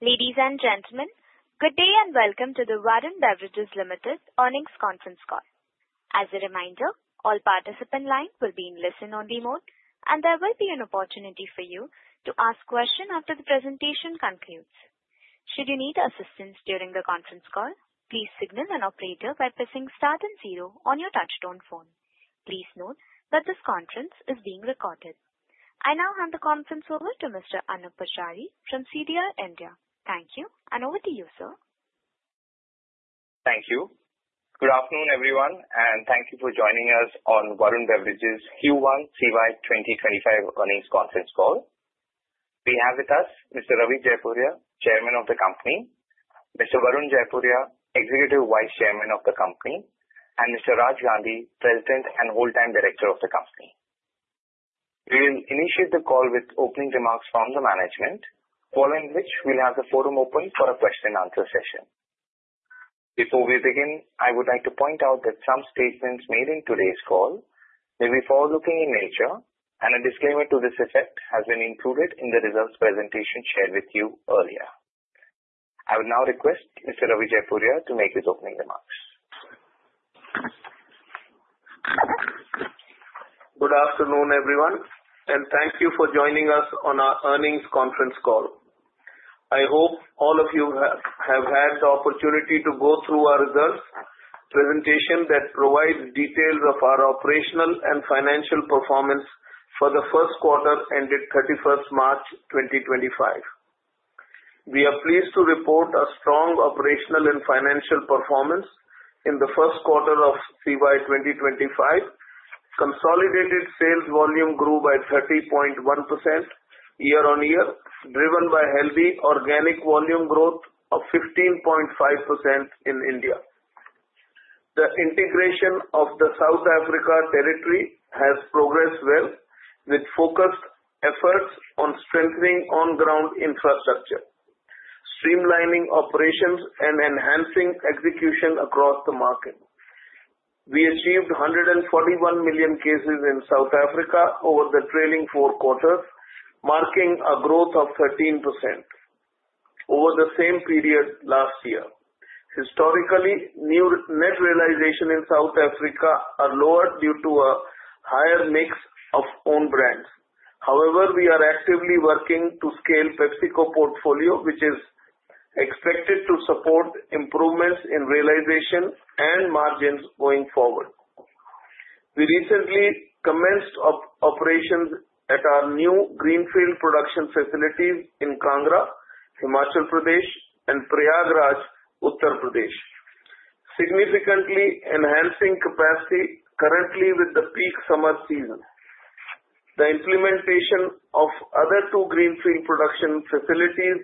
Ladies and gentlemen, good day and welcome to the Varun Beverages Limited Earnings Conference Call. As a reminder, all participants' lines will be in listen-only mode, and there will be an opportunity for you to ask a question after the presentation concludes. Should you need assistance during the conference call, please signal an operator by pressing star and zero on your touch-tone phone. Please note that this conference is being recorded. I now hand the conference over to Mr. Anoop Poojari from CDR India. Thank you, and over to you, sir. Thank you. Good afternoon, everyone, and thank you for joining us on Varun Beverages Q1 CY 2025 Earnings Conference Call. We have with us Mr. Ravi Jaipuria, Chairman of the company; Mr. Varun Jaipuria, Executive Vice Chairman of the company; and Mr. Raj Gandhi, President and Whole-time Director of the company. We will initiate the call with opening remarks from the management, following which we'll have the forum open for a question and answer session. Before we begin, I would like to point out that some statements made in today's call may be forward-looking in nature, and a disclaimer to this effect has been included in the results presentation shared with you earlier. I would now request Mr. Ravi Jaipuria to make his opening remarks. Good afternoon, everyone, and thank you for joining us on our earnings conference call. I hope all of you have had the opportunity to go through our results presentation that provides details of our operational and financial performance for the first quarter ended 31st March 2025. We are pleased to report a strong operational and financial performance in the first quarter of CY 2025. Consolidated sales volume grew by 30.1% year-on-year, driven by healthy organic volume growth of 15.5% in India. The integration of the South Africa territory has progressed well, with focused efforts on strengthening on-ground infrastructure, streamlining operations, and enhancing execution across the market. We achieved 141 million cases in South Africa over the trailing four quarters, marking a growth of 13% over the same period last year. Historically, new net realization in South Africa is lower due to a higher mix of own brands. However, we are actively working to scale PepsiCo's portfolio, which is expected to support improvements in realization and margins going forward. We recently commenced operations at our new greenfield production facilities in Kangra, Himachal Pradesh, and Prayagraj, Uttar Pradesh, significantly enhancing capacity currently with the peak summer season. The implementation of the other two greenfield production facilities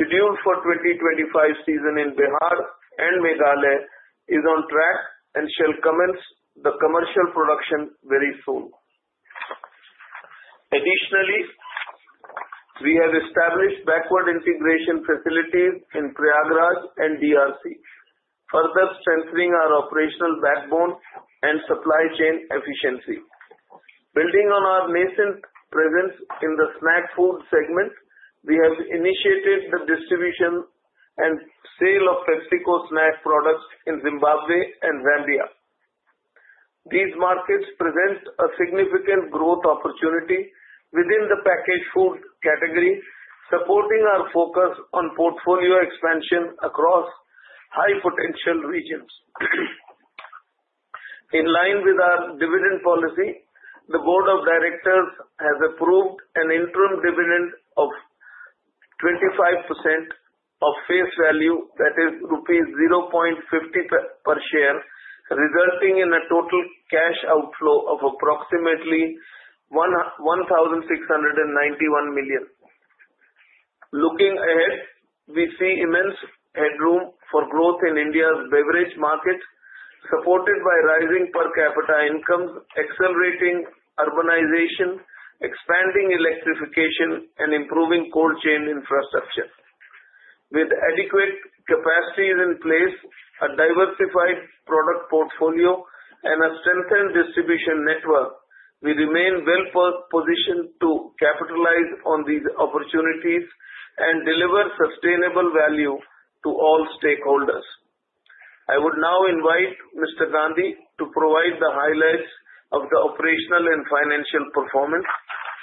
scheduled for the 2025 season in Bihar and Meghalaya is on track and shall commence commercial production very soon. Additionally, we have established backward integration facilities in Prayagraj and DRC, further strengthening our operational backbone and supply chain efficiency. Building on our nascent presence in the snack food segment, we have initiated the distribution and sale of PepsiCo snack products in Zimbabwe and Zambia. These markets present a significant growth opportunity within the packaged food category, supporting our focus on portfolio expansion across high-potential regions. In line with our dividend policy, the Board of Directors has approved an interim dividend of 25% of face value, that is, rupees 0.50 per share, resulting in a total cash outflow of approximately 1,691 million. Looking ahead, we see immense headroom for growth in India's beverage market, supported by rising per capita incomes, accelerating urbanization, expanding electrification, and improving cold chain infrastructure. With adequate capacities in place, a diversified product portfolio, and a strengthened distribution network, we remain well-positioned to capitalize on these opportunities and deliver sustainable value to all stakeholders. I would now invite Mr. Gandhi to provide the highlights of the operational and financial performance.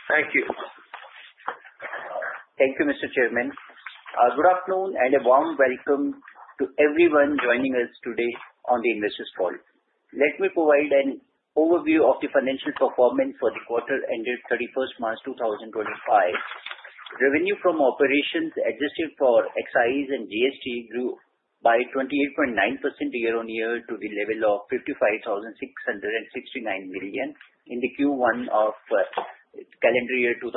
Thank you. Thank you, Mr. Chairman. Good afternoon and a warm welcome to everyone joining us today on the investors' call. Let me provide an overview of the financial performance for the quarter ended 31st March 2025. Revenue from operations adjusted for excise and GST grew by 28.9% year-on-year to the level of 55,669 million in the Q1 of calendar year 2025.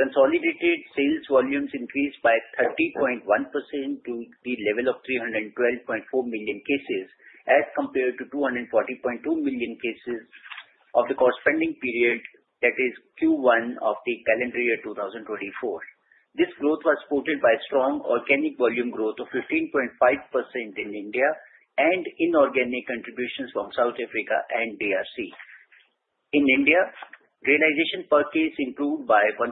Consolidated sales volumes increased by 30.1% to the level of 312.4 million cases as compared to 240.2 million cases of the corresponding period, that is, Q1 of the calendar year 2024. This growth was supported by strong organic volume growth of 15.5% in India and inorganic contributions from South Africa and DRC. In India, realization per case improved by 1.8%,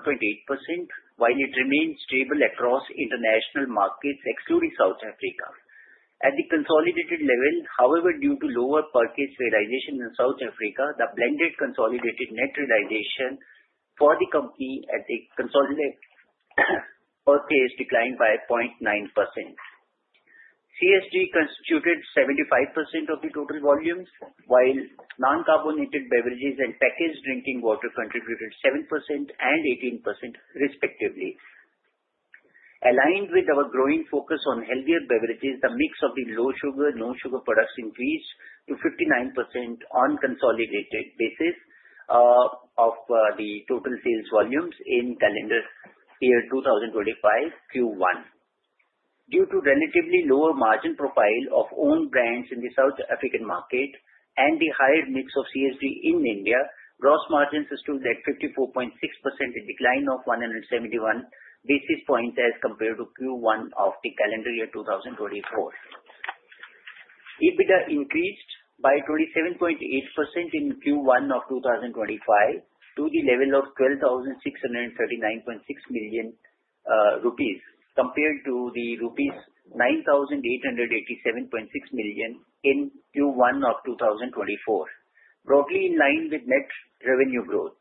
while it remained stable across international markets excluding South Africa. At the consolidated level, however, due to lower per case realization in South Africa, the blended consolidated net realization for the company at the consolidated per case declined by 0.9%. CSD constituted 75% of the total volumes, while non-carbonated beverages and packaged drinking water contributed 7% and 18%, respectively. Aligned with our growing focus on healthier beverages, the mix of the low-sugar, no-sugar products increased to 59% on consolidated basis of the total sales volumes in calendar year 2025 Q1. Due to relatively lower margin profile of own brands in the South African market and the higher mix of CSD in India, gross margins stood at 54.6%, a decline of 171 basis points as compared to Q1 of the calendar year 2024. EBITDA increased by 27.8% in Q1 of 2025 to the level of 12,639.6 million rupees compared to the rupees 9,887.6 million in Q1 of 2024, broadly in line with net revenue growth.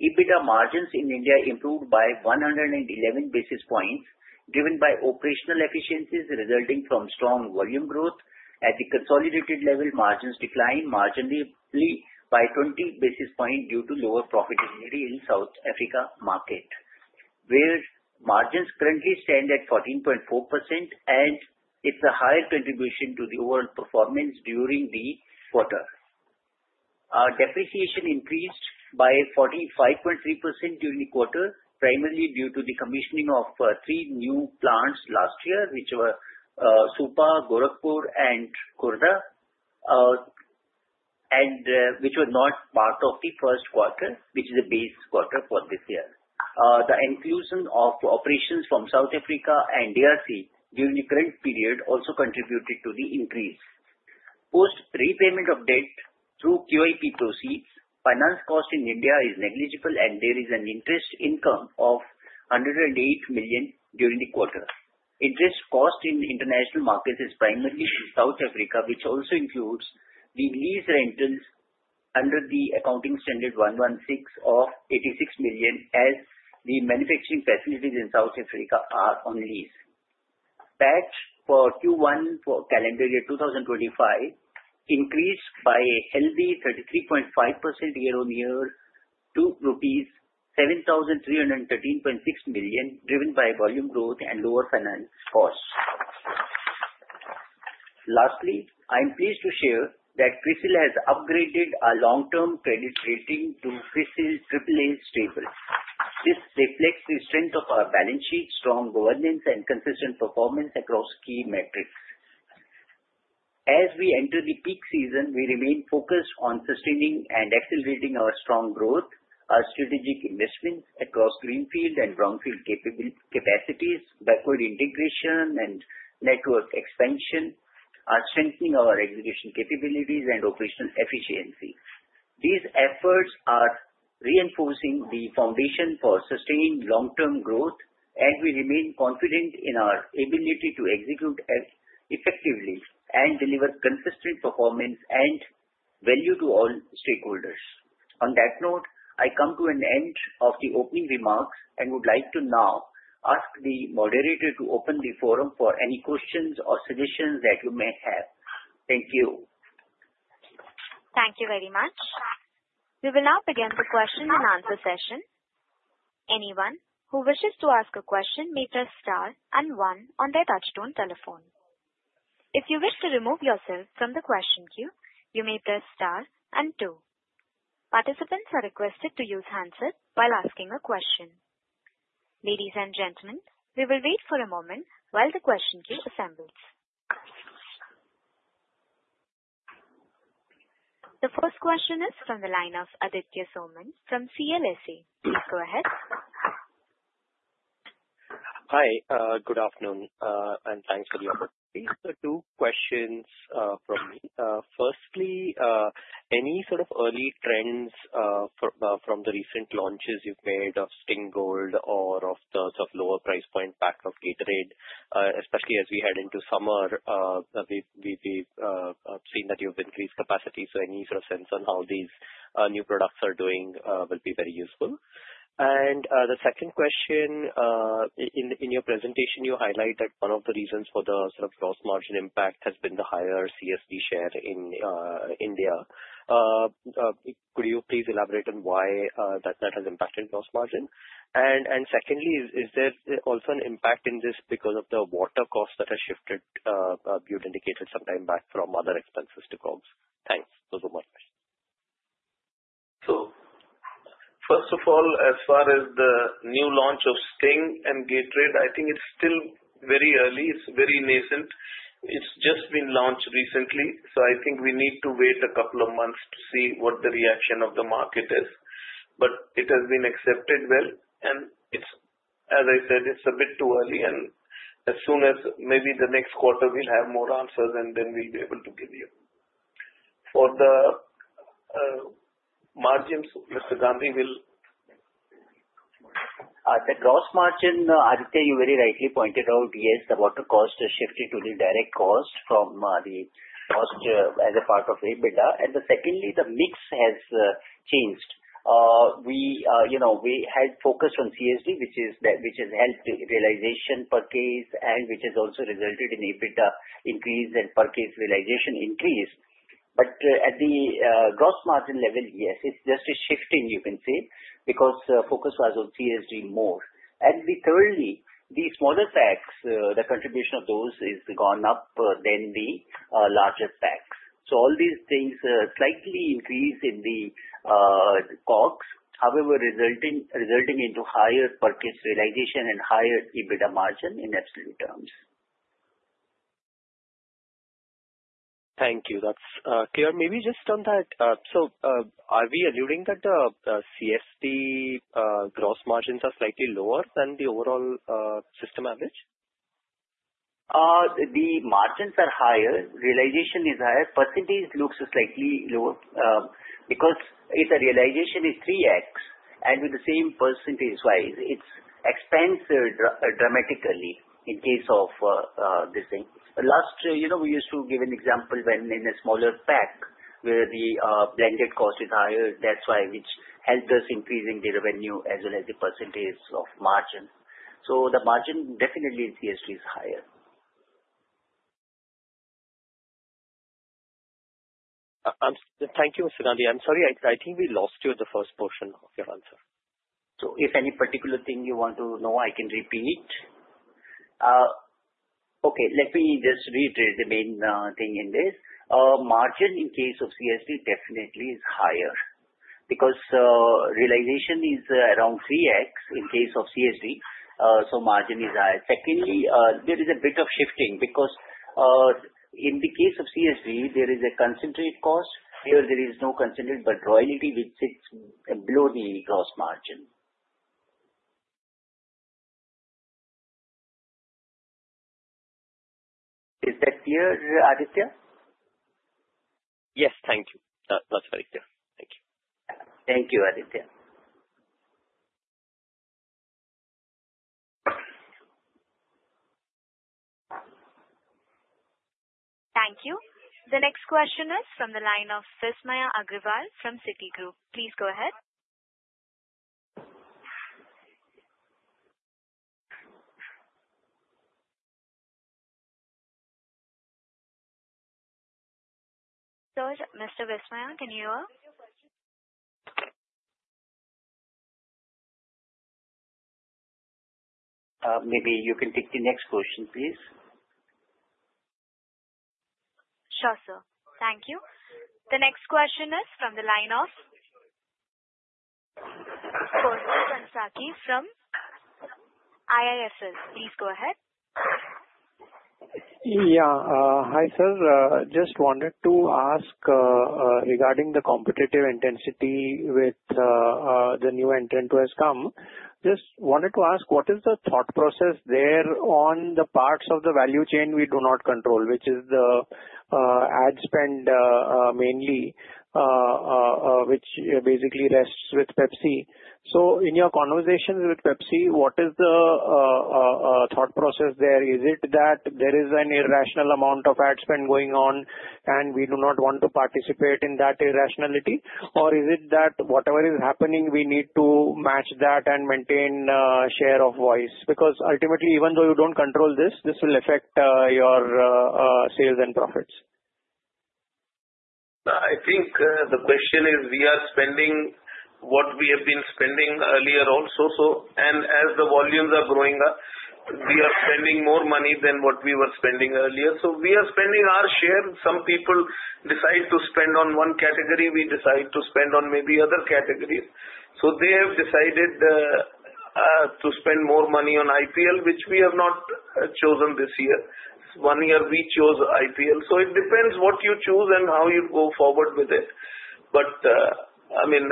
EBITDA margins in India improved by 111 basis points, driven by operational efficiencies resulting from strong volume growth. At the consolidated level, margins declined marginally by 20 basis points due to lower profitability in the South Africa market, where margins currently stand at 14.4%, and it's a higher contribution to the overall performance during the quarter. Depreciation increased by 45.3% during the quarter, primarily due to the commissioning of three new plants last year, which were Supa, Gorakhpur, and Khurda, and which were not part of the first quarter, which is the base quarter for this year. The inclusion of operations from South Africa and DRC during the current period also contributed to the increase. Post repayment of debt through QIP proceeds, finance cost in India is negligible, and there is an interest income of 108 million during the quarter. Interest cost in international markets is primarily in South Africa, which also includes the lease rentals under the Accounting Standard 116 of 86 million, as the manufacturing facilities in South Africa are on lease. PAT for Q1 for calendar year 2025 increased by a healthy 33.5% year-on-year to INR 7,313.6 million, driven by volume growth and lower finance costs. Lastly, I'm pleased to share that CRISIL has upgraded our long-term credit rating to CRISIL AAA stable. This reflects the strength of our balance sheet, strong governance, and consistent performance across key metrics. As we enter the peak season, we remain focused on sustaining and accelerating our strong growth, our strategic investments across greenfield and brownfield capacities, backward integration and network expansion, our strengthening of our execution capabilities, and operational efficiency. These efforts are reinforcing the foundation for sustained long-term growth, and we remain confident in our ability to execute effectively and deliver consistent performance and value to all stakeholders. On that note, I come to an end of the opening remarks and would like to now ask the moderator to open the forum for any questions or suggestions that you may have. Thank you. Thank you very much. We will now begin the question and answer session. Anyone who wishes to ask a question may press star and one on their touch-tone telephone. If you wish to remove yourself from the question queue, you may press star and two. Participants are requested to use handsets while asking a question. Ladies and gentlemen, we will wait for a moment while the question queue assembles. The first question is from the line of Aditya Soman from CLSA. Please go ahead. Hi, good afternoon, and thanks for the opportunity. Two questions from me. Firstly, any sort of early trends from the recent launches you've made of Sting Gold or of the sort of lower price point pack of Gatorade, especially as we head into summer? We've seen that you've increased capacity, so any sort of sense on how these new products are doing will be very useful. The second question, in your presentation, you highlight that one of the reasons for the sort of gross margin impact has been the higher CSD share in India. Could you please elaborate on why that has impacted gross margin? Secondly, is there also an impact in this because of the water costs that have shifted, as you'd indicated, sometime back from other expenses to COGS? Thanks. Those were my questions. First of all, as far as the new launch of Sting and Gatorade, I think it's still very early. It's very nascent. It's just been launched recently, so I think we need to wait a couple of months to see what the reaction of the market is. It has been accepted well, and as I said, it's a bit too early, and as soon as maybe the next quarter, we'll have more answers, and then we'll be able to give you. For the margins, Mr. Gandhi will. The gross margin, Aditya, you very rightly pointed out, yes, the water cost has shifted to the direct cost from the cost as a part of EBITDA. Secondly, the mix has changed. We had focused on CSD, which has helped realization per case and which has also resulted in EBITDA increase and per case realization increase. At the gross margin level, yes, it's just a shifting, you can say, because the focus was on CSD more. Thirdly, the smaller SKUs, the contribution of those has gone up than the larger SKUs. All these things slightly increase in the COGS, however, resulting in higher per case realization and higher EBITDA margin in absolute terms. Thank you. That's clear. Maybe just on that, are we alluding that the CSD gross margins are slightly lower than the overall system average? The margins are higher. Realization is higher. Percentage looks slightly lower because the realization is 3x, and with the same percentage-wise, it's expensed dramatically in case of this thing. Last year, we used to give an example when in a smaller pack where the blanket cost is higher, that's why which helped us increase in the revenue as well as the percentage of margin. The margin definitely in CSD is higher. Thank you, Mr. Gandhi. I'm sorry, I think we lost you in the first portion of your answer. If any particular thing you want to know, I can repeat. Okay, let me just reiterate the main thing in this. Margin in case of CSD definitely is higher because realization is around 3x in case of CSD, so margin is higher. Secondly, there is a bit of shifting because in the case of CSD, there is a concentrate cost where there is no concentrate, but royalty which sits below the gross margin. Is that clear, Aditya? Yes, thank you. That's very clear. Thank you. Thank you, Aditya. Thank you. The next question is from the line of Vismaya Agarwal from Citigroup. Please go ahead. Sir, Mr. Vismaya, can you? Maybe you can take the next question, please. Sure, sir. Thank you. The next question is from the line of Percy Panthaki from IIFL. Please go ahead. Yeah, hi sir. Just wanted to ask regarding the competitive intensity with the new entrant who has come. Just wanted to ask what is the thought process there on the parts of the value chain we do not control, which is the ad spend mainly, which basically rests with Pepsi. In your conversations with Pepsi, what is the thought process there? Is it that there is an irrational amount of ad spend going on, and we do not want to participate in that irrationality? Or is it that whatever is happening, we need to match that and maintain a share of voice? Because ultimately, even though you don't control this, this will affect your sales and profits. I think the question is we are spending what we have been spending earlier also, and as the volumes are growing up, we are spending more money than what we were spending earlier. We are spending our share. Some people decide to spend on one category. We decide to spend on maybe other categories. They have decided to spend more money on IPL, which we have not chosen this year. One year, we chose IPL. It depends what you choose and how you go forward with it. I mean,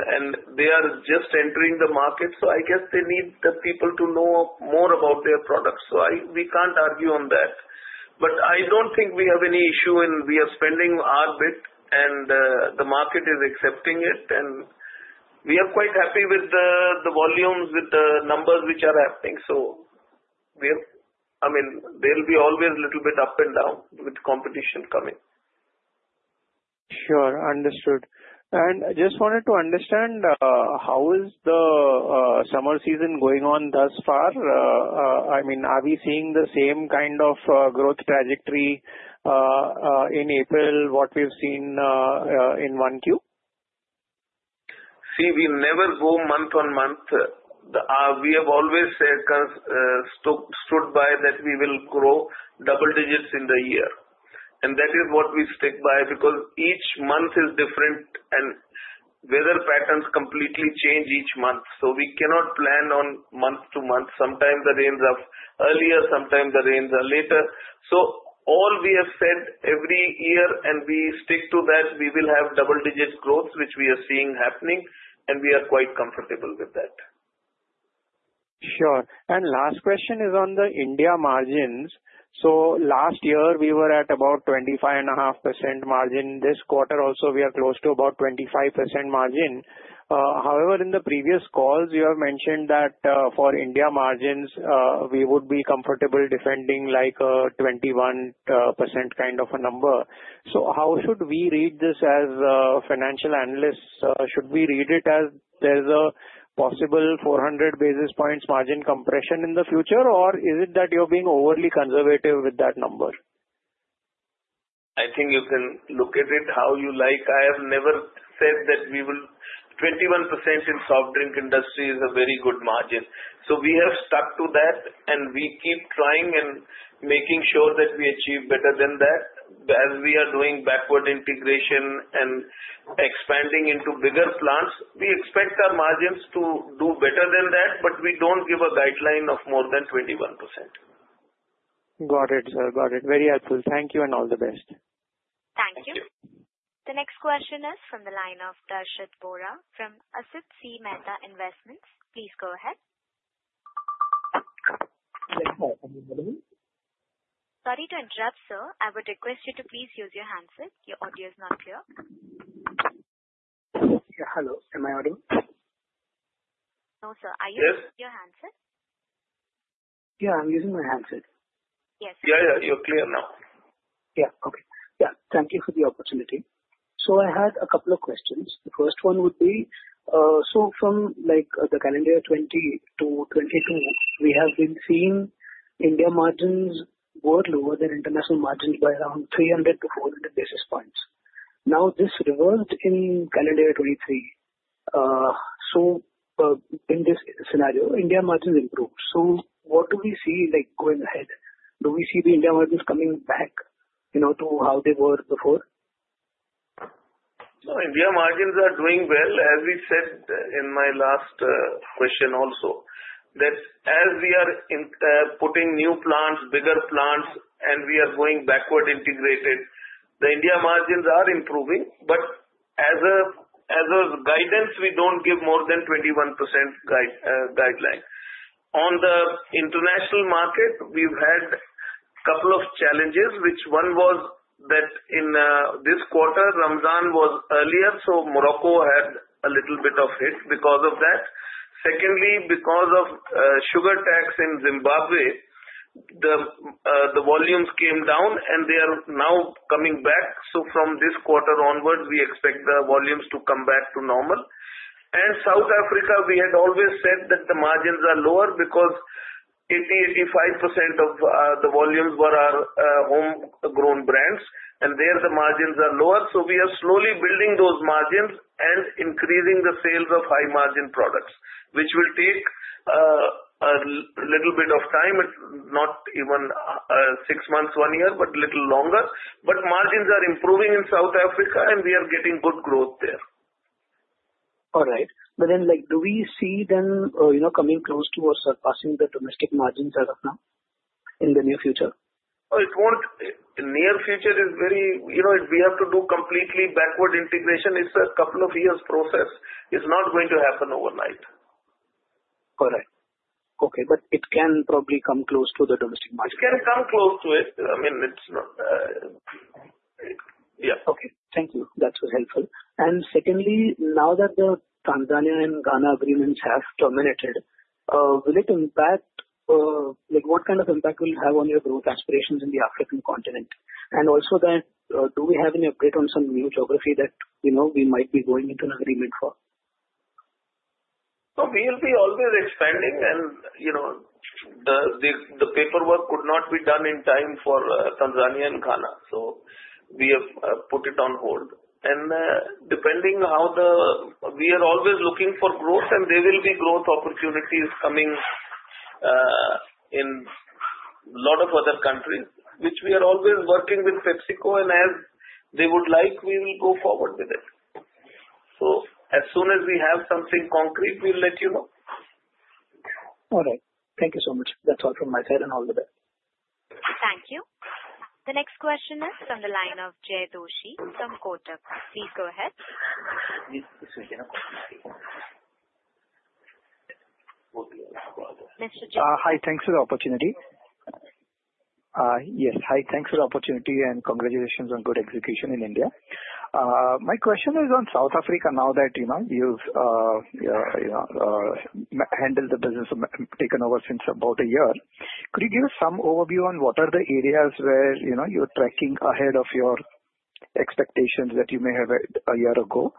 they are just entering the market, so I guess they need the people to know more about their products. We can't argue on that. I don't think we have any issue in we are spending our bit, and the market is accepting it, and we are quite happy with the volumes, with the numbers which are happening. I mean, there will be always a little bit up and down with competition coming. Sure, understood. I just wanted to understand how is the summer season going on thus far? I mean, are we seeing the same kind of growth trajectory in April what we've seen in one 1Q? See, we never go month on month. We have always stood by that we will grow double digits in the year. That is what we stick by because each month is different, and weather patterns completely change each month. We cannot plan on month to month. Sometimes the rains are earlier, sometimes the rains are later. All we have said every year, and we stick to that, we will have double digit growth, which we are seeing happening, and we are quite comfortable with that. Sure. Last question is on the India margins. Last year, we were at about 25.5% margin. This quarter also, we are close to about 25% margin. However, in the previous calls, you have mentioned that for India margins, we would be comfortable defending like a 21% kind of a number. How should we read this as financial analysts? Should we read it as there's a possible 400 basis points margin compression in the future, or is it that you're being overly conservative with that number? I think you can look at it how you like. I have never said that we will 21% in soft drink industry is a very good margin. So we have stuck to that, and we keep trying and making sure that we achieve better than that. As we are doing backward integration and expanding into bigger plants, we expect our margins to do better than that, but we do not give a guideline of more than 21%. Got it, sir. Got it. Very helpful. Thank you and all the best. Thank you. The next question is from the line of Darshit Vora from Asit C. Mehta Investment. Please go ahead. Sorry to interrupt, sir. I would request you to please use your handset. Your audio is not clear. Hello. Am I audible? No, sir. Are you using your handset? Yeah, I'm using my handset. Yes. Yeah, yeah. You're clear now. Yeah. Okay. Yeah. Thank you for the opportunity. I had a couple of questions. The first one would be, from the calendar year 2020 to 2022, we have been seeing India margins were lower than international margins by around 300-400 basis points. Now, this reversed in calendar year 2023. In this scenario, India margins improved. What do we see going ahead? Do we see the India margins coming back to how they were before? India margins are doing well, as we said in my last question also, that as we are putting new plants, bigger plants, and we are going backward integrated, the India margins are improving. As a guidance, we do not give more than 21% guideline. On the international market, we have had a couple of challenges, which one was that in this quarter, Ramadan was earlier, so Morocco had a little bit of hit because of that. Secondly, because of sugar tax in Zimbabwe, the volumes came down, and they are now coming back. From this quarter onwards, we expect the volumes to come back to normal. South Africa, we had always said that the margins are lower because 80%-85% of the volumes were our home-grown brands, and there the margins are lower. We are slowly building those margins and increasing the sales of high-margin products, which will take a little bit of time, not even six months, one year, but a little longer. Margins are improving in South Africa, and we are getting good growth there. All right. Do we see them coming close to or surpassing the domestic margins as of now in the near future? It won't. The near future is very, if we have to do completely backward integration, it's a couple of years process. It's not going to happen overnight. All right. Okay. It can probably come close to the domestic margin? It can come close to it. I mean, it's not, yeah. Okay. Thank you. That's helpful. Secondly, now that the Tanzania and Ghana agreements have terminated, what kind of impact will it have on your growth aspirations in the African continent? Also, do we have any update on some new geography that we might be going into an agreement for? We will always be expanding, and the paperwork could not be done in time for Tanzania and Ghana. We have put it on hold. Depending on how we are always looking for growth, and there will be growth opportunities coming in a lot of other countries, which we are always working with PepsiCo, and as they would like, we will go forward with it. As soon as we have something concrete, we will let you know. All right. Thank you so much. That's all from my side and all the best. Thank you. The next question is from the line of Jay Doshi from Kotak. Please go ahead. Thanks for the opportunity. Yes. Hi. Thanks for the opportunity and congratulations on good execution in India. My question is on South Africa now that you've handled the business, taken over since about a year. Could you give us some overview on what are the areas where you're tracking ahead of your expectations that you may have a year ago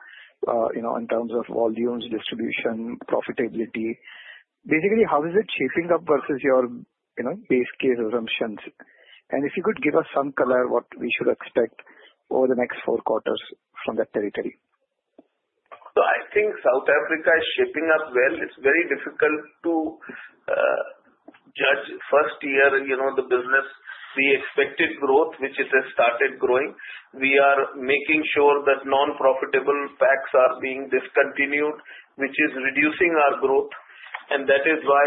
in terms of volumes, distribution, profitability? Basically, how is it shaping up versus your base case assumptions? If you could give us some color what we should expect over the next four quarters from that territory. I think South Africa is shaping up well. It's very difficult to judge first year the business. The expected growth, which it has started growing, we are making sure that non-profitable packs are being discontinued, which is reducing our growth. That is why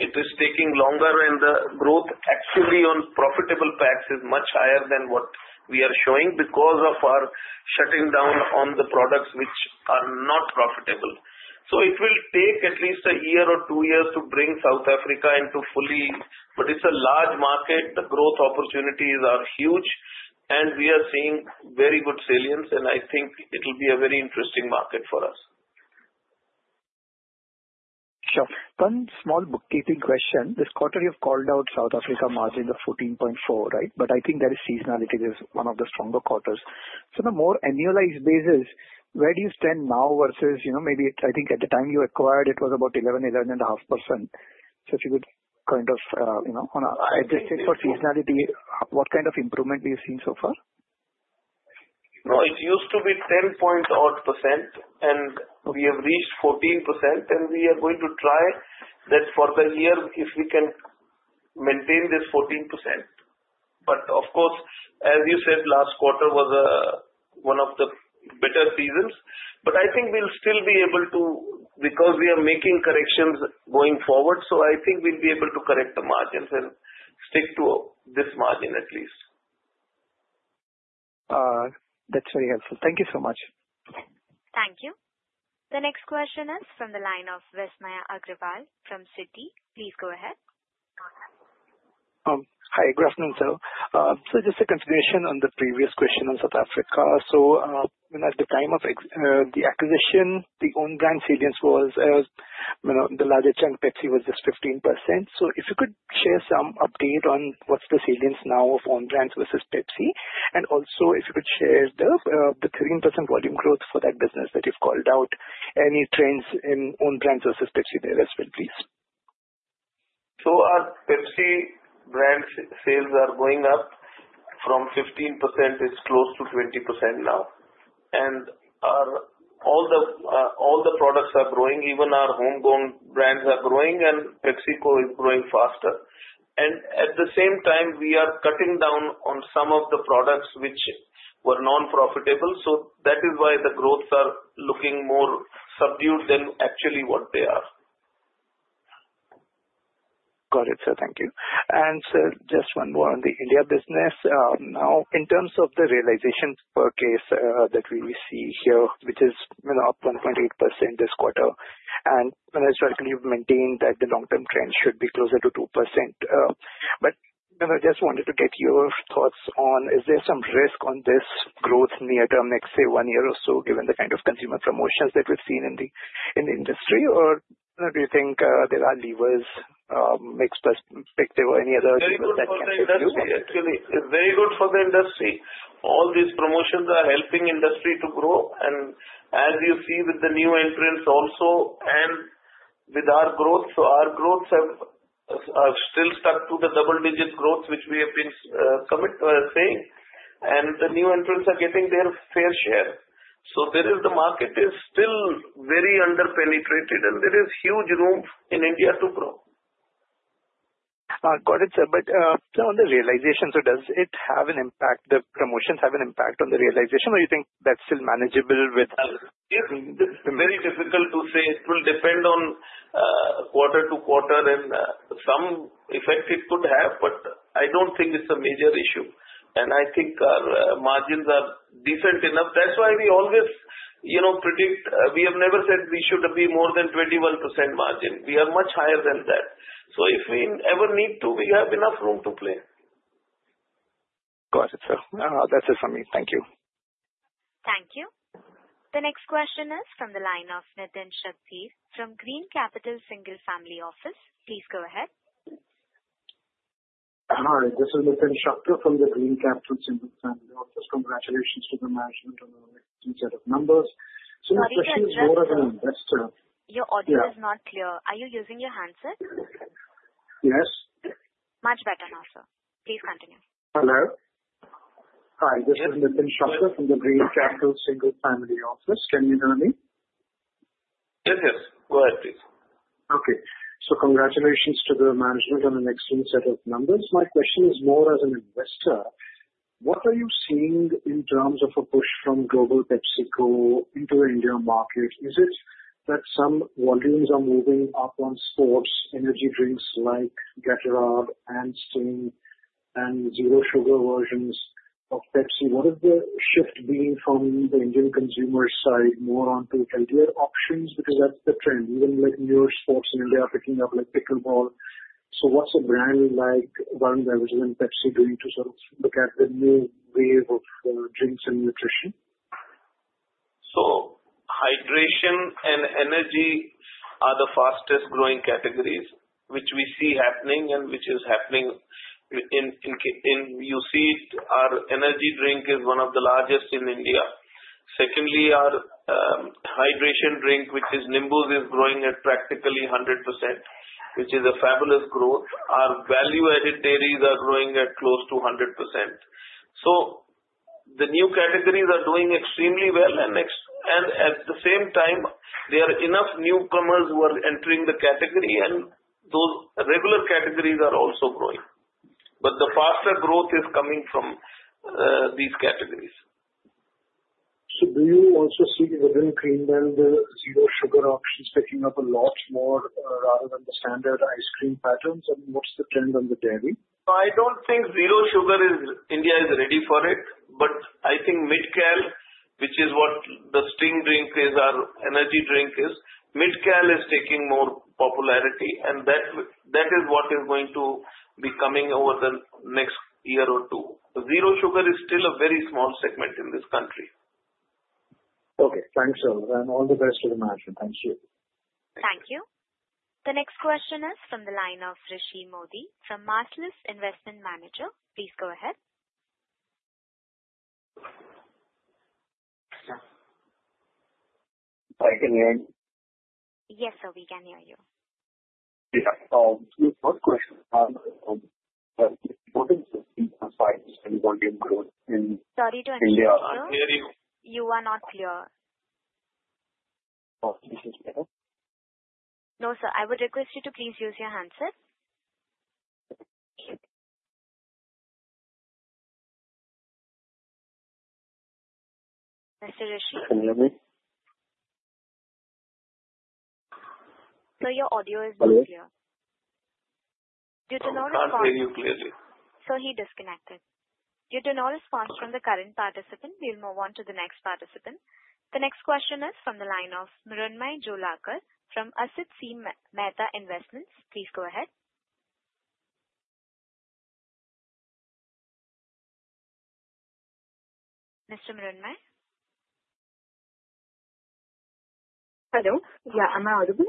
it is taking longer, and the growth actually on profitable packs is much higher than what we are showing because of our shutting down on the products which are not profitable. It will take at least a year or two years to bring South Africa into fully. It is a large market. The growth opportunities are huge, and we are seeing very good salience, and I think it'll be a very interesting market for us. Sure. One small bookkeeping question. This quarter, you've called out South Africa margin of 14.4%, right? I think that is seasonality, is one of the stronger quarters. On a more annualized basis, where do you stand now versus maybe, I think at the time you acquired, it was about 11%-11.5%. If you could, kind of, on a for seasonality, what kind of improvement do you see so far? It used to be 10.8%, and we have reached 14%, and we are going to try that for the year if we can maintain this 14%. Of course, as you said, last quarter was one of the better seasons. I think we will still be able to because we are making corrections going forward, so I think we will be able to correct the margins and stick to this margin at least. That's very helpful. Thank you so much. Thank you. The next question is from the line of Vismaya Agarwal from Citi. Please go ahead. Hi. Good afternoon, sir. Just a continuation on the previous question on South Africa. At the time of the acquisition, the own brand salience was the larger chunk, Pepsi was just 15%. If you could share some update on what is the salience now of own brands versus Pepsi, and also if you could share the 13% volume growth for that business that you've called out, any trends in own brands versus Pepsi there as well, please. Our Pepsi brand sales are going up from 15%. It's close to 20% now. All the products are growing. Even our homegrown brands are growing, and PepsiCo is growing faster. At the same time, we are cutting down on some of the products which were non-profitable. That is why the growths are looking more subdued than actually what they are. Got it, sir. Thank you. Sir, just one more on the India business. In terms of the realization per case that we see here, which is up 1.8% this quarter, and as you've maintained that the long-term trend should be closer to 2%. I just wanted to get your thoughts on, is there some risk on this growth near term, next, say, one year or so, given the kind of consumer promotions that we've seen in the industry, or do you think there are levers, mixed perspective, or any other levers that can contribute? Actually, it's very good for the industry. All these promotions are helping industry to grow. As you see with the new entrants also and with our growth, our growths have still stuck to the double-digit growth, which we have been saying. The new entrants are getting their fair share. The market is still very under-penetrated, and there is huge room in India to grow. Got it, sir. On the realization, does it have an impact? The promotions have an impact on the realization, or you think that's still manageable with? It's very difficult to say. It will depend on quarter to quarter, and some effect it could have, but I don't think it's a major issue. I think our margins are decent enough. That's why we always predict we have never said we should be more than 21% margin. We are much higher than that. If we ever need to, we have enough room to play. Got it, sir. That's it from me. Thank you. Thank you. The next question is from the line of Nitin Shakdher from Green Capital Single Family Office. Please go ahead. Hi. This is Nitin Shakdher from the Green Capital Single Family Office. Congratulations to the management on the set of numbers. My question is more as an investor. Your audio is not clear. Are you using your handset? Yes. Much better now, sir. Please continue. Hello? Hi. This is Nitin Shakdher from the Green Capital Single Family Office. Can you hear me? Yes, yes. Go ahead, please. Okay. Congratulations to the management on an excellent set of numbers. My question is more as an investor. What are you seeing in terms of a push from global PepsiCo into the India market? Is it that some volumes are moving up on sports, energy drinks like Gatorade and Sting, and zero sugar versions of Pepsi? What is the shift being from the Indian consumer side more onto healthier options? Because that's the trend. Even newer sports in India are picking up, like pickleball. What is a brand like Varun Beverages and Pepsi doing to sort of look at the new wave of drinks and nutrition? Hydration and energy are the fastest growing categories, which we see happening and which is happening in you see our energy drink is one of the largest in India. Secondly, our hydration drink, which is Nimbooz, is growing at practically 100%, which is a fabulous growth. Our value-added dairies are growing at close to 100%. The new categories are doing extremely well. At the same time, there are enough newcomers who are entering the category, and those regular categories are also growing. The faster growth is coming from these categories. Do you also see within clean milk, the zero sugar options picking up a lot more rather than the standard ice cream patterns? What's the trend on the dairy? I don't think zero sugar is, India is ready for it. I think Midcal, which is what the Sting drink is, our energy drink is, Midcal is taking more popularity, and that is what is going to be coming over the next year or two. Zero sugar is still a very small segment in this country. Okay. Thanks, sir. All the best to the management. Thank you. Thank you. The next question is from the line of Rishi Mody from Marcellus Investment Managers. Please go ahead. Can you hear me? Yes, sir. We can hear you. Yeah. One question. What is the fee for size and volume growth in India? Sorry to interrupt, sir. We cannot hear you. You are not clear. Oh, this is better? No, sir. I would request you to please use your handset. Mr. Rishi? Can you hear me? Your audio is not clear. Hello? Due to no response. I can hear you clearly. He disconnected. Due to no response from the current participant, we'll move on to the next participant. The next question is from the line Mrunmayee Jogalekar from Asit C. Mehta Investments. Please go ahead. Mr. Mrunmayee? Hello. Yeah. Am I audible?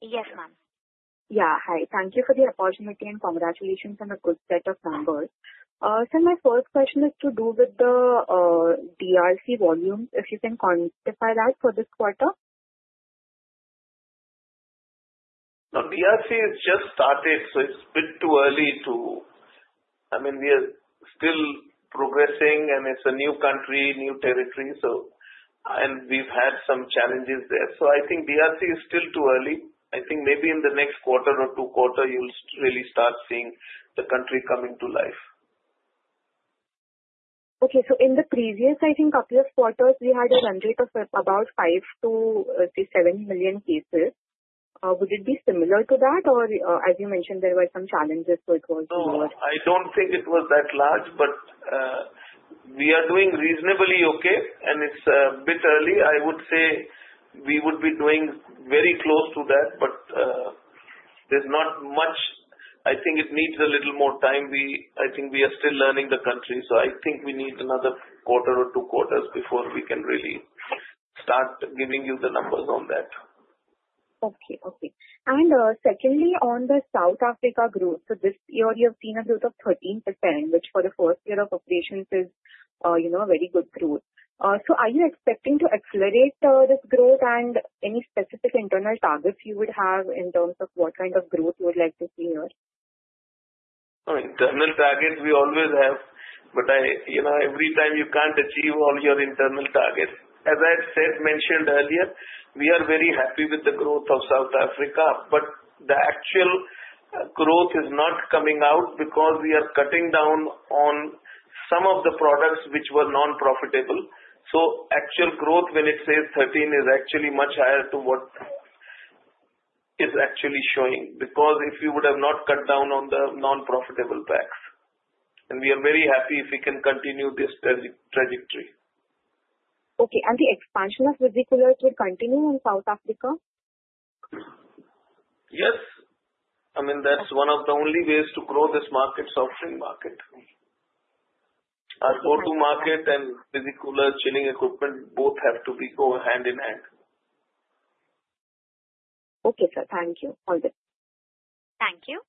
Yes, ma'am. Yeah. Hi. Thank you for the opportunity and congratulations on a good set of numbers. My first question has to do with the DRC volume. If you can quantify that for this quarter? Now, DRC has just started, so it's a bit too early to, I mean, we are still progressing, and it's a new country, new territory, and we've had some challenges there. I think DRC is still too early. I think maybe in the next quarter or two quarters, you'll really start seeing the country coming to life. Okay. In the previous, I think, couple of quarters, we had a run rate of about 5 million-7 million cases. Would it be similar to that, or as you mentioned, there were some challenges, so it was more? I don't think it was that large, but we are doing reasonably okay, and it's a bit early. I would say we would be doing very close to that, but there's not much. I think it needs a little more time. I think we are still learning the country, so I think we need another quarter or two quarters before we can really start giving you the numbers on that. Okay. Okay. Secondly, on the South Africa growth, this year, you have seen a growth of 13%, which for the first year of operations is a very good growth. Are you expecting to accelerate this growth, and any specific internal targets you would have in terms of what kind of growth you would like to see here? Oh, internal targets we always have, but every time you can't achieve all your internal targets. As I said, mentioned earlier, we are very happy with the growth of South Africa, but the actual growth is not coming out because we are cutting down on some of the products which were non-profitable. Actual growth when it says 13% is actually much higher to what is actually showing because if you would have not cut down on the non-profitable packs. We are very happy if we can continue this trajectory. Okay. The expansion of visi-coolers would continue in South Africa? Yes. I mean, that's one of the only ways to grow this market, soft drink market. Our go-to market and visi-coolers chilling equipment both have to go hand in hand. Okay, sir. Thank you. All good. Thank you.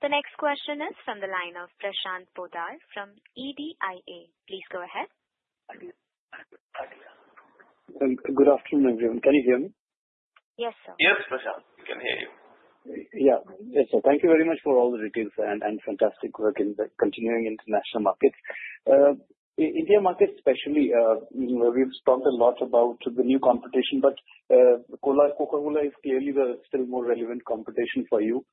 The next question is from the line of Prashant Poddar from ADIA. Please go ahead. Good afternoon, everyone. Can you hear me? Yes, sir. Yes, Prashant. We can hear you. Yeah. Yes, sir. Thank you very much for all the details and fantastic work in continuing international markets. India market especially, we've talked a lot about the new competition, but Coca-Cola is clearly still the more relevant competition for you.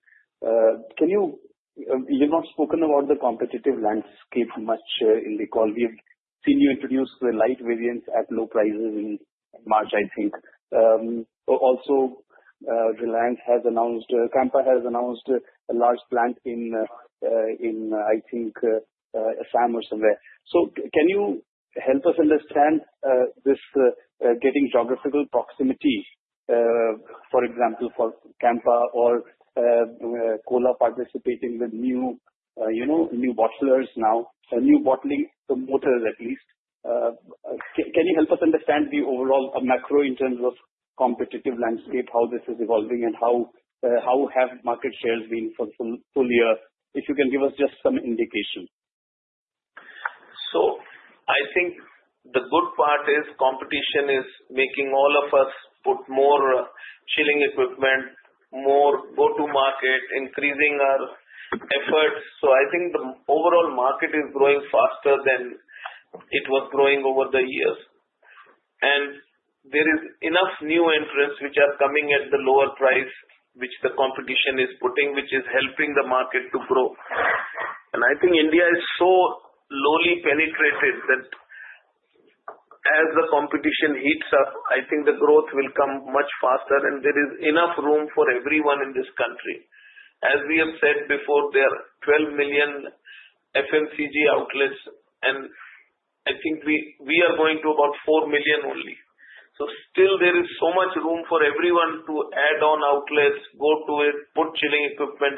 You've not spoken about the competitive landscape much in the call. We've seen you introduce the light variants at low prices in March, I think. Also, Reliance has announced, Campa has announced a large plant in, I think, Assam or somewhere. Can you help us understand this getting geographical proximity, for example, for Campa or Cola participating with new bottlers now, new bottling promoters at least? Can you help us understand the overall macro in terms of competitive landscape, how this is evolving, and how have market shares been for the full year? If you can give us just some indication. I think the good part is competition is making all of us put more chilling equipment, more go-to market, increasing our efforts. I think the overall market is growing faster than it was growing over the years. There is enough new entrants which are coming at the lower price which the competition is putting, which is helping the market to grow. I think India is so lowly penetrated that as the competition heats up, I think the growth will come much faster, and there is enough room for everyone in this country. As we have said before, there are 12 million FMCG outlets, and I think we are going to about 4 million only. Still, there is so much room for everyone to add on outlets, go to it, put chilling equipment,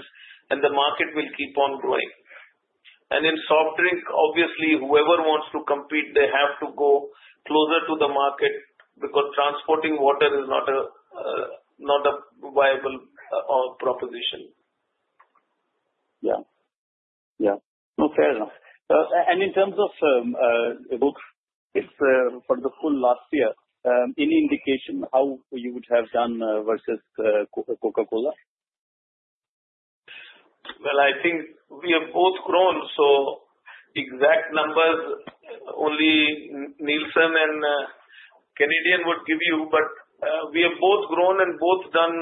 and the market will keep on growing. In soft drink, obviously, whoever wants to compete, they have to go closer to the market because transporting water is not a viable proposition. Yeah. Yeah. Okay, sir. In terms of books, for the full last year, any indication how you would have done versus Coca-Cola? I think we have both grown. So exact numbers, only Nielsen and Canadean would give you, but we have both grown and both done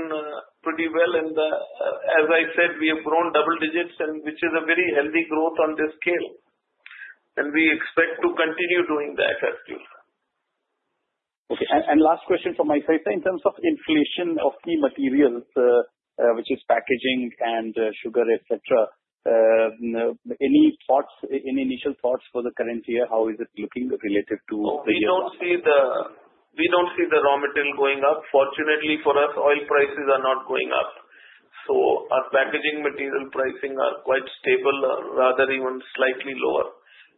pretty well. As I said, we have grown double digits, which is a very healthy growth on this scale. We expect to continue doing that as well. Okay. Last question from my side. In terms of inflation of key materials, which is packaging and sugar, etc., any initial thoughts for the current year? How is it looking related to the year? Oh, we don't see the raw material going up. Fortunately for us, oil prices are not going up. So our packaging material pricing are quite stable, rather even slightly lower.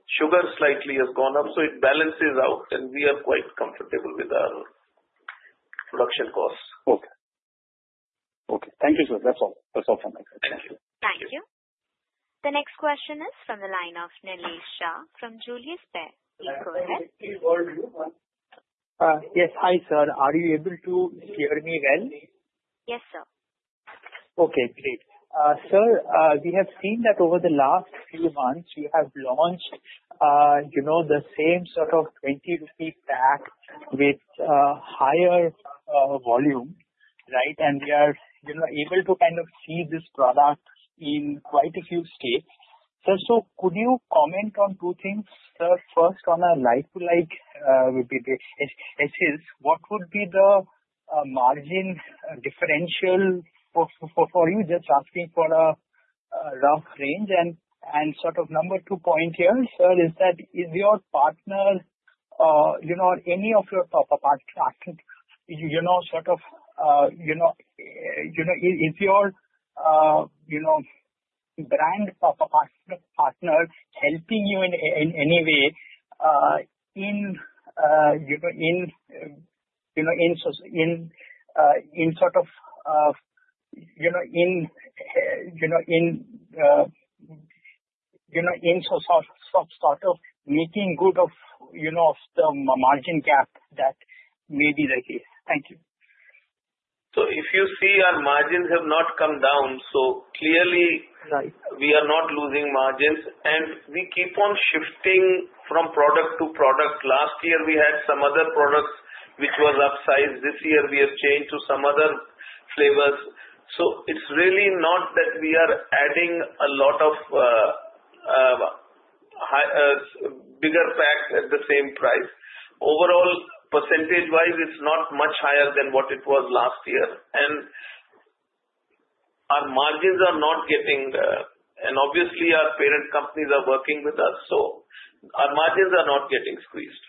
Sugar slightly has gone up, so it balances out, and we are quite comfortable with our production costs. Okay. Okay. Thank you, sir. That's all from my side. Thank you. Thank you. The next question is from the line of Nilesh Shah from Julius Baer. Please go ahead. Yes. Hi, sir. Are you able to hear me well? Yes, sir. Okay. Great. Sir, we have seen that over the last few months, you have launched the same sort of 20 rupee pack with higher volume, right? We are able to kind of see this product in quite a few states. Sir, could you comment on two things? First, on a like-to-like basis, what would be the margin differential for you? Just asking for a rough range. Number two point here, sir, is that is your partner or any of your top-up partners, is your brand top-up partner helping you in any way in making good of the margin gap that may be the case? Thank you. If you see our margins have not come down. Clearly, we are not losing margins, and we keep on shifting from product to product. Last year, we had some other products which were upsized. This year, we have changed to some other flavors. It is really not that we are adding a lot of bigger pack at the same price. Overall, percentage-wise, it is not much higher than what it was last year. Our margins are not getting, and obviously, our parent companies are working with us, so our margins are not getting squeezed.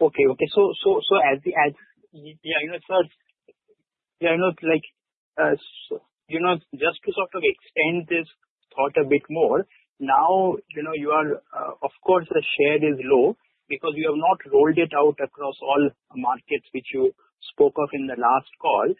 Okay. Okay. As the, yeah, sir, just to sort of extend this thought a bit more, now, of course, the share is low because you have not rolled it out across all markets which you spoke of in the last call.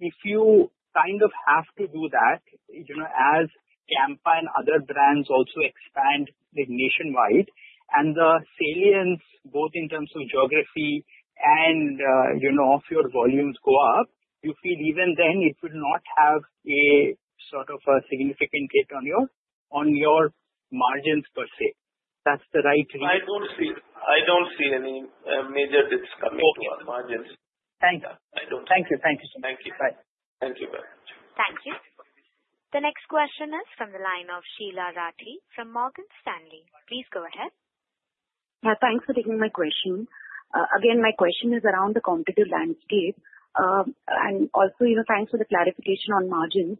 If you kind of have to do that as Campa and other brands also expand nationwide and the salience, both in terms of geography and of your volumes, go up, you feel even then it would not have a sort of significant hit on your margins per se. That's the right reason? I don't see any major hits coming to our margins. Okay. Thank you. Thank you. Thank you. Bye. Thank you very much. Thank you. The next question is from the line of Sheela Rathi from Morgan Stanley. Please go ahead. Yeah. Thanks for taking my question. Again, my question is around the competitive landscape. Also, thanks for the clarification on margins.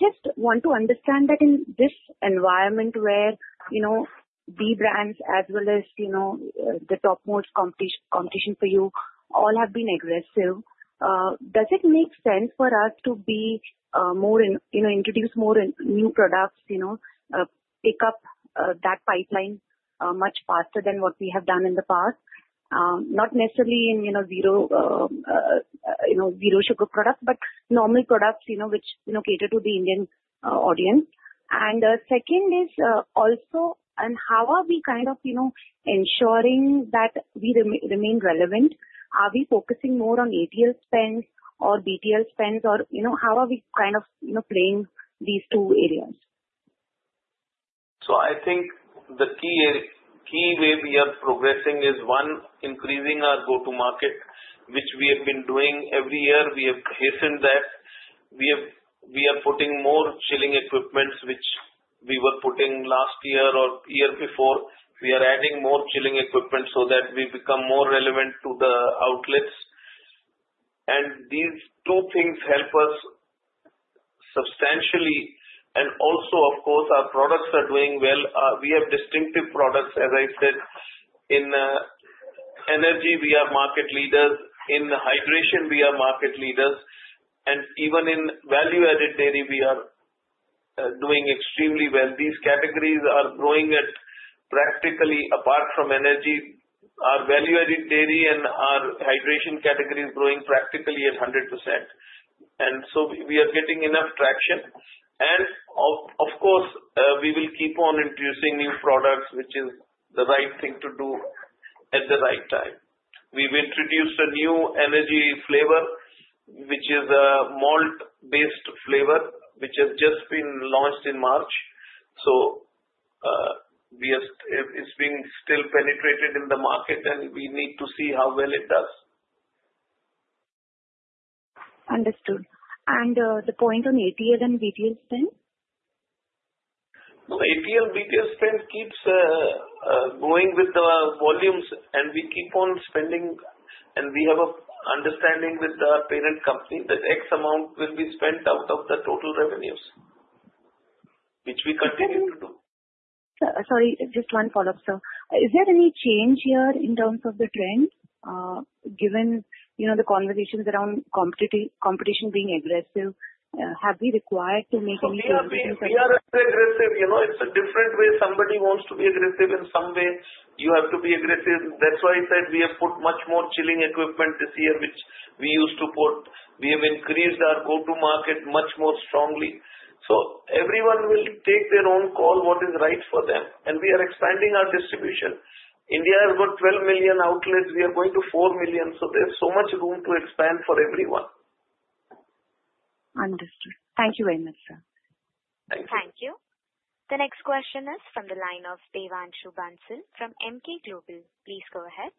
Just want to understand that in this environment where B brands as well as the top-most competition for you all have been aggressive, does it make sense for us to introduce more new products, pick up that pipeline much faster than what we have done in the past? Not necessarily in zero sugar products, but normal products which cater to the Indian audience. Second is also, how are we kind of ensuring that we remain relevant? Are we focusing more on ATL spends or BTL spends, or how are we kind of playing these two areas? I think the key way we are progressing is, one, increasing our go-to market, which we have been doing every year. We have hastened that. We are putting more chilling equipment, which we were putting last year or the year before. We are adding more chilling equipment so that we become more relevant to the outlets. These two things help us substantially. Of course, our products are doing well. We have distinctive products. As I said, in energy, we are market leaders. In hydration, we are market leaders. Even in value-added dairy, we are doing extremely well. These categories are growing at practically, apart from energy. Our value-added dairy and our hydration category is growing practically at 100%. We are getting enough traction. Of course, we will keep on introducing new products, which is the right thing to do at the right time. We've introduced a new energy flavor, which is a malt-based flavor, which has just been launched in March. It's still penetrated in the market, and we need to see how well it does. Understood. The point on ATL and BTL spend? No, ATL and BTL spend keeps going with the volumes, and we keep on spending. We have an understanding with our parent company that X amount will be spent out of the total revenues, which we continue to do. Sorry, just one follow-up, sir. Is there any change here in terms of the trend? Given the conversations around competition being aggressive, have we required to make any changes? No, no, no. We are not aggressive. It's a different way somebody wants to be aggressive. In some way, you have to be aggressive. That's why I said we have put much more chilling equipment this year, which we used to put. We have increased our go-to market much more strongly. Everyone will take their own call, what is right for them. We are expanding our distribution. India has about 12 million outlets. We are going to 4 million. There is so much room to expand for everyone. Understood. Thank you very much, sir. Thank you. Thank you. The next question is from the line of Devanshu Bansal from Emkay Global. Please go ahead.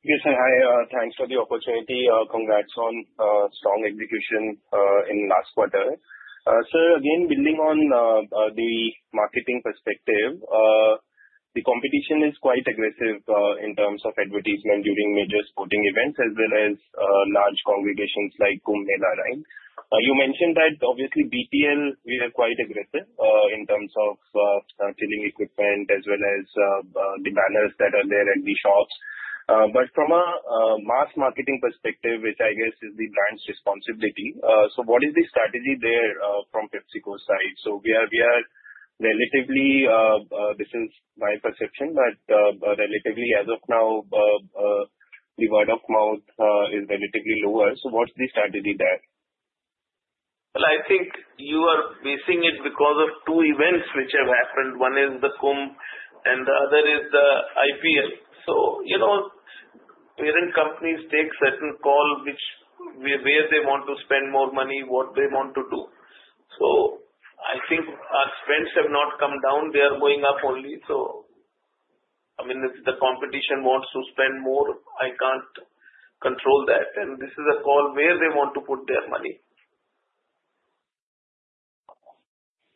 Yes, sir. Hi. Thanks for the opportunity. Congrats on strong execution in last quarter. Sir, again, building on the marketing perspective, the competition is quite aggressive in terms of advertisement during major sporting events as well as large congregations like Kumbh Mela, right? You mentioned that, obviously, BTL, we are quite aggressive in terms of chilling equipment as well as the banners that are there at the shops. From a mass marketing perspective, which I guess is the brand's responsibility, what is the strategy there from PepsiCo's side? We are relatively—this is my perception—but relatively, as of now, the word-of-mouth is relatively lower. What's the strategy there? I think you are missing it because of two events which have happened. One is the Kumbh, and the other is the IPL. Parent companies take certain calls where they want to spend more money, what they want to do. I think our spends have not come down. They are going up only. I mean, if the competition wants to spend more, I can't control that. This is a call where they want to put their money.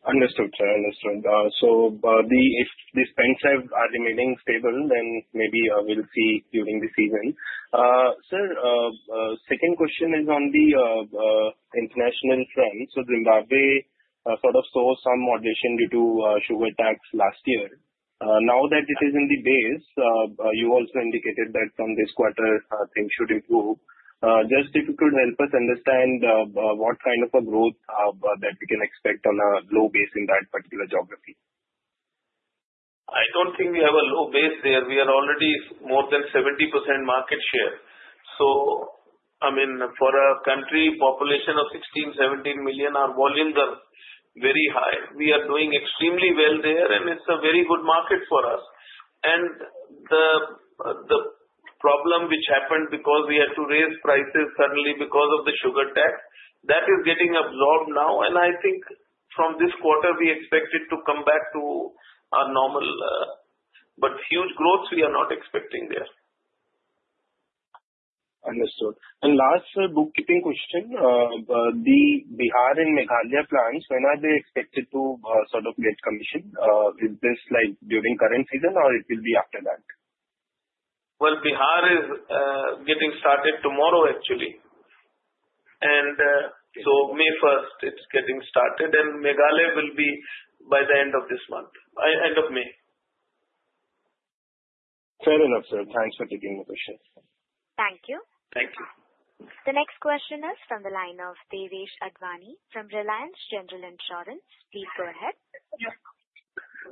Understood, sir. Understood. If the spends are remaining stable, then maybe we'll see during the season. Sir, second question is on the international trend. Zimbabwe sort of saw some moderation due to sugar tax last year. Now that it is in the base, you also indicated that from this quarter, things should improve. Just if you could help us understand what kind of a growth that we can expect on a low base in that particular geography. I don't think we have a low base there. We are already more than 70% market share. I mean, for a country population of 16 million-17 million, our volumes are very high. We are doing extremely well there, and it's a very good market for us. The problem which happened because we had to raise prices suddenly because of the sugar tax, that is getting absorbed now. I think from this quarter, we expect it to come back to our normal. Huge growth, we are not expecting there. Understood. Last, sir, bookkeeping question. The Bihar and Meghalaya plants, when are they expected to sort of get commission? Is this during current season, or it will be after that? Bihar is getting started tomorrow, actually. May 1st, it's getting started. Meghalaya will be by the end of this month, end of May. Fair enough, sir. Thanks for taking the question. Thank you. Thank you. The next question is from the line of Devesh Advani from Reliance General Insurance. Please go ahead.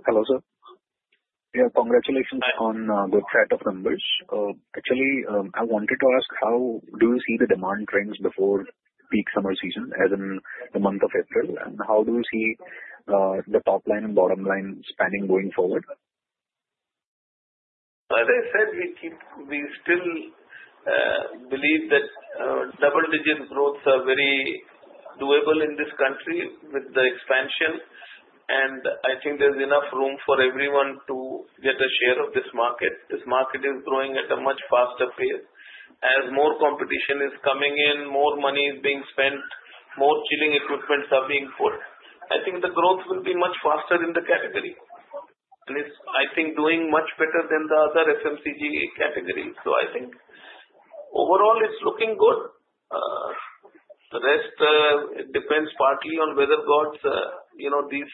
Hello, sir. Yeah, congratulations on the set of numbers. Actually, I wanted to ask how do you see the demand trends before peak summer season, as in the month of April? How do you see the top line and bottom line spanning going forward? As I said, we still believe that double-digit growths are very doable in this country with the expansion. I think there's enough room for everyone to get a share of this market. This market is growing at a much faster pace. As more competition is coming in, more money is being spent, more chilling equipments are being put, I think the growth will be much faster in the category. I think it is doing much better than the other FMCG category. I think overall, it's looking good. The rest, it depends partly on whether God's these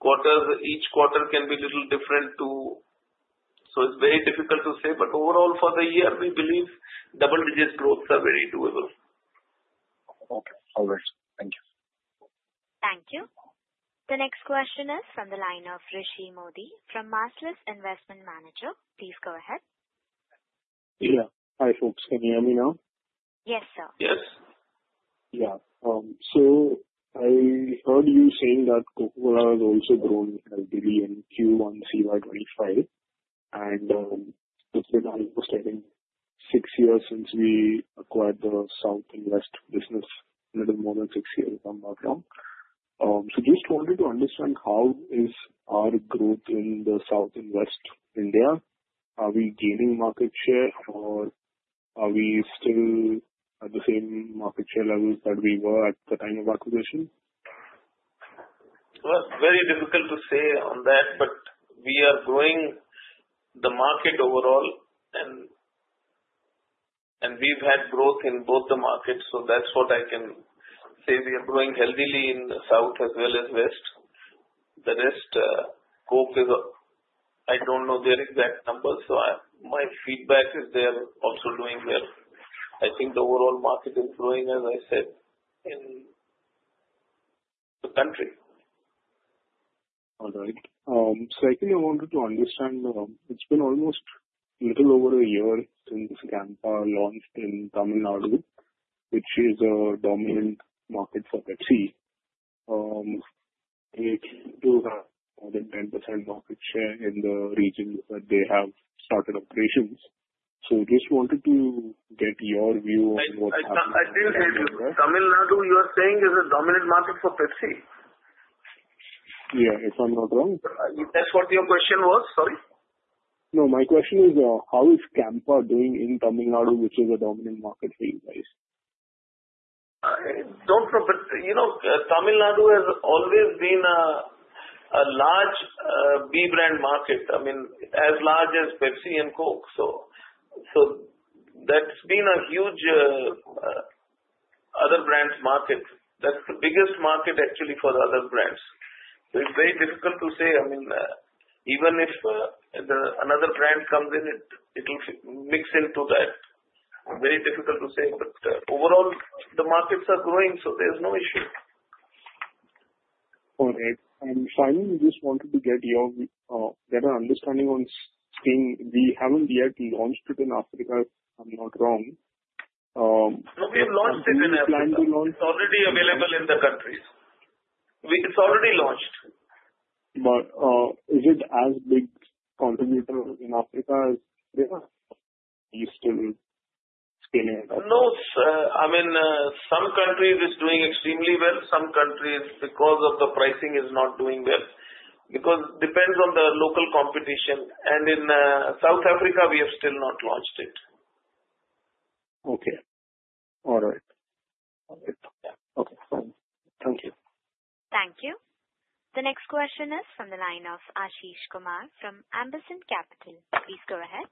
quarters, each quarter can be a little different too. It is very difficult to say. Overall, for the year, we believe double-digit growths are very doable. Okay. All right. Thank you. Thank you. The next question is from the line of Rishi Mody from Marcellus Investment Managers. Please go ahead. Yeah. Hi, folks. Can you hear me now? Yes, sir. Yes. Yeah. I heard you saying that Coca-Cola has also grown heavily in Q1, Q1 2025. It has been almost, I think, six years since we acquired the South and West business, a little more than six years if I'm not wrong. I just wanted to understand how is our growth in the South and West India? Are we gaining market share, or are we still at the same market share levels that we were at the time of acquisition? It is very difficult to say on that, but we are growing the market overall. We have had growth in both the markets. That is what I can say. We are growing heavily in the South as well as West. The rest, Coke is, I do not know their exact numbers. My feedback is they are also doing well. I think the overall market is growing, as I said, in the country. All right. Second, I wanted to understand, it's been almost a little over a year since Campa launched in Tamil Nadu, which is a dominant market for Pepsi. It does have more than 10% market share in the region where they have started operations. Just wanted to get your view on what happened there. I do. Tamil Nadu, you are saying, is a dominant market for Pepsi? Yeah, if I'm not wrong. That's what your question was? Sorry. No, my question is, how is Campa doing in Tamil Nadu, which is a dominant market for you guys? I don't know. Tamil Nadu has always been a large B brand market, I mean, as large as Pepsi and Coke. That's been a huge other brand's market. That's the biggest market, actually, for the other brands. It's very difficult to say. I mean, even if another brand comes in, it'll mix into that. Very difficult to say. Overall, the markets are growing, so there's no issue. All right. Finally, we just wanted to get your better understanding on saying we haven't yet launched it in Africa, if I'm not wrong. No, we have launched it in Africa. It's already available in the countries. It's already launched. Is it as big a contributor in Africa as there? Are you still scaling it up? No. I mean, some countries are doing extremely well. Some countries, because of the pricing, are not doing well. It depends on the local competition. In South Africa, we have still not launched it. Okay. All right. All right. Okay. Thank you. Thank you. The next question is from the line of Ashish Kumar from Ampersand Capital. Please go ahead.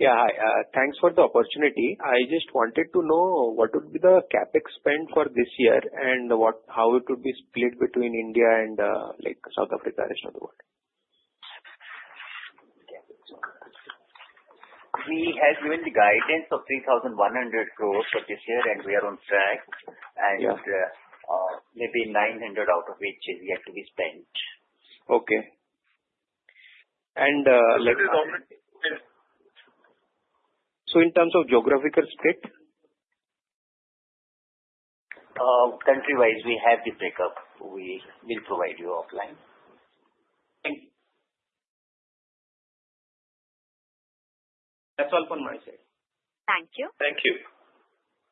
Yeah. Hi. Thanks for the opportunity. I just wanted to know what would be the CapEx spend for this year and how it would be split between India and South Africa and the rest of the world. We have given the guidance of 3,100 crore for this year, and we are on track. Maybe 900 crore out of which is yet to be spent. Okay. And. What is the? In terms of geographical split? Countrywise, we have the breakup. We will provide you offline. Thank you. That's all from my side. Thank you. Thank you.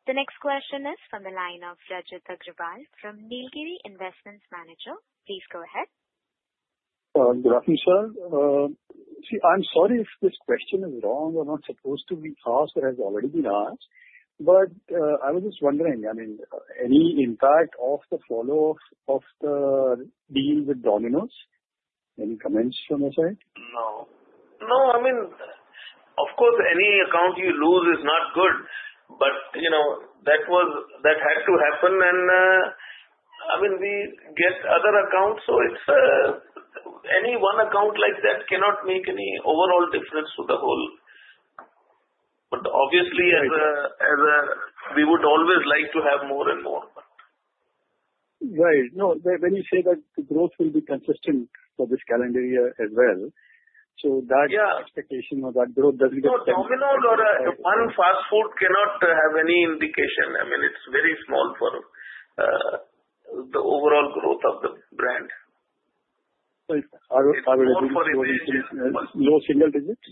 The next question is from the line of Rajit Aggarwal from Nilgiri Investment Managers. Please go ahead. Rajit Aggarwal, sir. See, I'm sorry if this question is wrong or not supposed to be asked or has already been asked. I was just wondering, I mean, any impact of the follow-up of the deal with Domino's? Any comments from your side? No. No. I mean, of course, any account you lose is not good. That had to happen. I mean, we get other accounts. Any one account like that cannot make any overall difference to the whole. Obviously, we would always like to have more and more. Right. No, when you say that the growth will be consistent for this calendar year as well, that expectation of that growth doesn't get affected? No, no. Domino's or one fast food cannot have any indication. I mean, it's very small for the overall growth of the brand. Right. Right. Low single digits?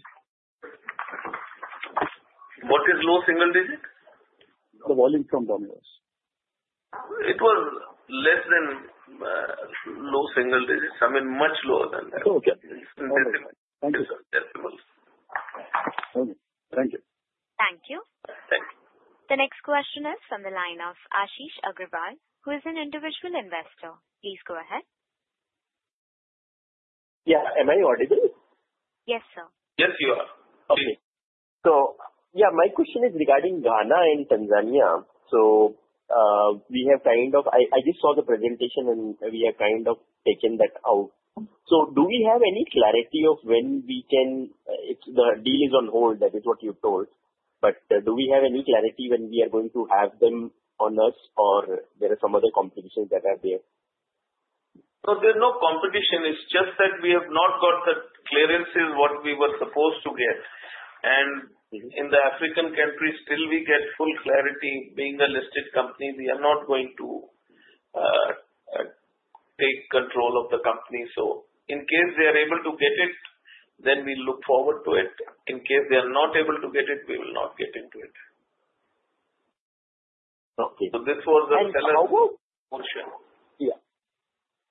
What is low single digit? The volume from Domino's. It was less than low single digits. I mean, much lower than that. Okay. Thank you, sir. Decimals. Thank you. Thank you. Thank you. The next question is from the line of Ashish Agrawal, who is an individual investor. Please go ahead. Yeah. Am I audible? Yes, sir. Yes, you are. Okay. Yeah, my question is regarding Ghana and Tanzania. We have kind of, I just saw the presentation, and we have kind of taken that out. Do we have any clarity of when we can, the deal is on hold, that is what you told. Do we have any clarity when we are going to have them on us, or are there some other competitions that are there? No, there's no competition. It's just that we have not got the clearances we were supposed to get. In the African countries, until we get full clarity, being a listed company, we are not going to take control of the company. In case they are able to get it, then we look forward to it. In case they are not able to get it, we will not get into it. This was the sellers. How about? Portion. Yeah.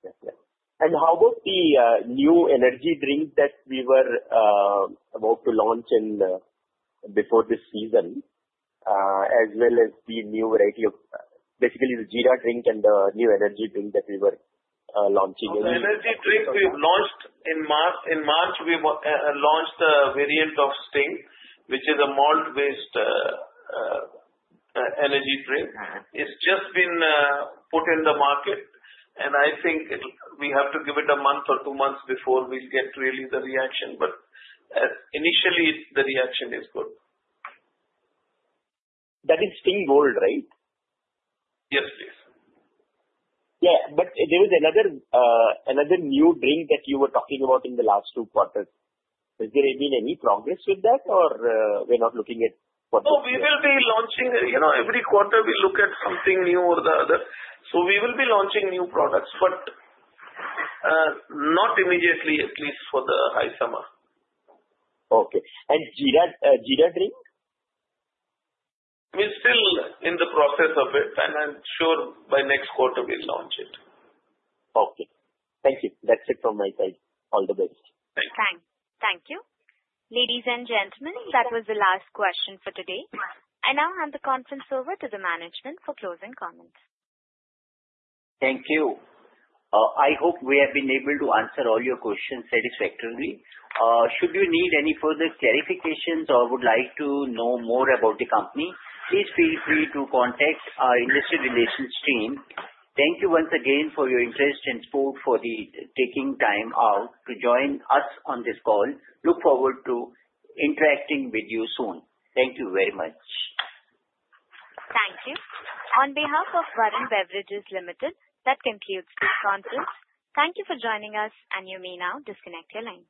Yeah. Yeah. How about the new energy drink that we were about to launch before this season, as well as the new variety of basically the jeera drink and the new energy drink that we were launching? The energy drink we launched in March, we launched the variant of Sting, which is a malt-based energy drink. It's just been put in the market. I think we have to give it a month or two months before we get really the reaction. Initially, the reaction is good. That is Sting Gold, right? Yes, please. Yeah. There is another new drink that you were talking about in the last two quarters. Has there been any progress with that, or we're not looking at what the? No, we will be launching every quarter, we look at something new or the other. We will be launching new products, but not immediately, at least for the high summer. Okay. And Jeera drink? We're still in the process of it. I'm sure by next quarter, we'll launch it. Okay. Thank you. That's it from my side. All the best. Thank you. Thank you. Ladies and gentlemen, that was the last question for today. I now hand the conference over to the management for closing comments. Thank you. I hope we have been able to answer all your questions satisfactorily. Should you need any further clarifications or would like to know more about the company, please feel free to contact our investor relations team. Thank you once again for your interest and support for taking time out to join us on this call. Look forward to interacting with you soon. Thank you very much. Thank you. On behalf of Varun Beverages Limited, that concludes this conference. Thank you for joining us, and you may now disconnect your lines.